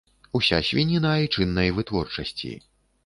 Уся свініна айчыннай вытворчасці.